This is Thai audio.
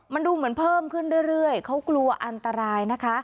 มันดูเหมือนเพิ่มขึ้นเรื่อยเขากลัวอันตรายนะคะ